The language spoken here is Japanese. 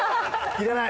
いらない。